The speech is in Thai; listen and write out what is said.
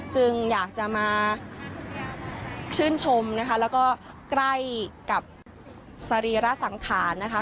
จึงอยากจะมาชื่นชมนะคะแล้วก็ใกล้กับสรีระสังขารนะคะ